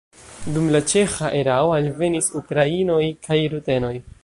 Dum la ĉeĥa erao alvenis ukrainoj kaj rutenoj.